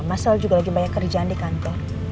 masal juga lagi banyak kerjaan di kantor